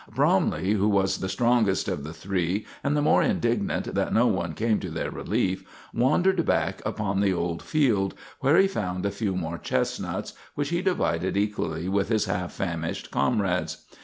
Bromley, who was the strongest of the three, and the more indignant that no one came to their relief, wandered back upon the old field, where he found a few more chestnuts, which he divided equally with his half famished comrades.